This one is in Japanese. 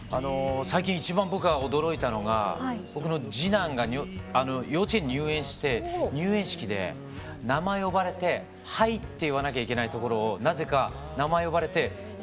最近一番僕が驚いたのが僕の次男が幼稚園に入園して入園式で名前呼ばれて「はい」って言わなきゃいけないところをなぜか名前呼ばれて「にゃあ」って言った。